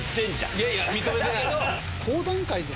いやいや認めてない。